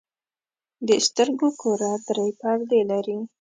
د سترګو کره درې پردې لري.